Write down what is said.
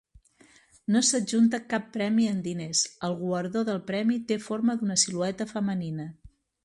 No s'adjunta cap premi en diners; el guardó del premi té forma d'una silueta femenina.